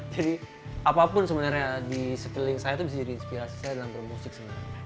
jadi apapun sebenarnya di sekeliling saya tuh bisa jadi inspirasi saya dalam bermusik sebenarnya